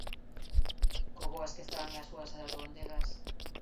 Co boas que estaban as súas albóndegas!